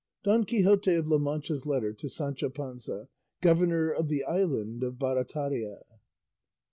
DON QUIXOTE OF LA MANCHA'S LETTER TO SANCHO PANZA, GOVERNOR OF THE ISLAND OF BARATARIA.